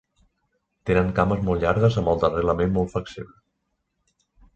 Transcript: Tenen cames molt llargues amb el darrer element molt flexible.